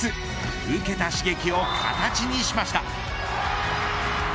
受けた刺激を形にしました。